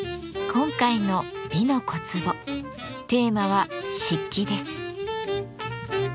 今回の「美の小壺」テーマは「漆器」です。